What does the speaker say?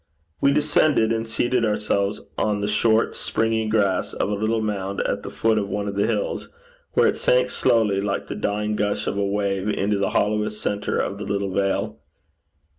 We descended and seated ourselves on the short springy grass of a little mound at the foot of one of the hills, where it sank slowly, like the dying gush of a wave, into the hollowest centre of the little vale.